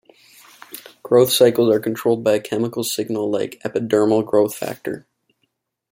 Growth cycles are controlled by a chemical signal like epidermal growth factor.